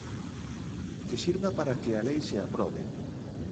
Que sirva para que a lei se aprobe.